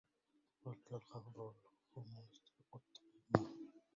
قلت للخفض والخمول استقيما